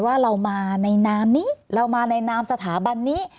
ว่าเรามาในนามนี้เรามาในนามสถาบันนี้